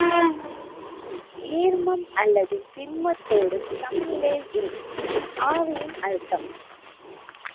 நீர்மம் அல்லது திண்மத்தோடு சமநிலையிலிருக்கும் ஆவியின் அழுத்தம்.